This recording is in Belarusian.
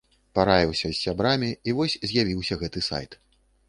Параіўся з сябрамі і вось з'явіўся гэты сайт.